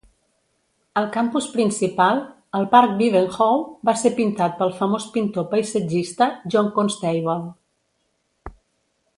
El campus principal, el parc Wivenhoe, va ser pintat pel famós pintor paisatgista John Constable.